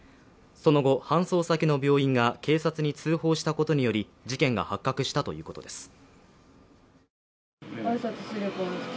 その後、搬送先の病院が警察に通報したことにより事件が発覚したということです。